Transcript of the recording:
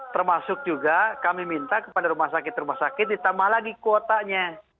termasuk juga kami minta kepada rumah sakit rumah sakit ditambah lagi kuotanya